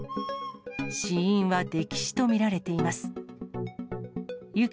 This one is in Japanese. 死因は溺死と見られています。